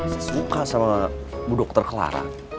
saya suka sama bu dokter clara